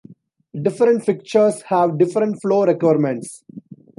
Different fixtures have different flow requirements.